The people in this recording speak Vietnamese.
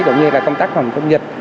cũng như là công tác phòng chống dịch